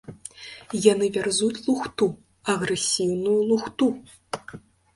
Яны вярзуць лухту, агрэсіўную лухту!